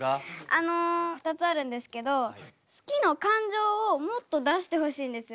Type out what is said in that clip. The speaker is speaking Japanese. あの２つあるんですけど「好き」の感情をもっと出してほしいんですよ。